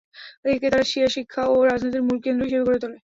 একে তারা শিয়া শিক্ষা ও রাজনীতির মূল কেন্দ্র হিসেবে গড়ে তোলে।